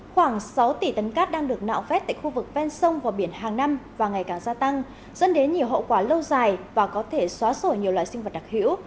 khoảng sáu tỷ tấn cát đang được nạo vét tại khu vực ven sông và biển hàng năm và ngày càng gia tăng dẫn đến nhiều hậu quả lâu dài và có thể xóa sổi nhiều loại sinh vật đặc hữu